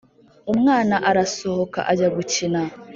umwana arasohoka ajya gukina,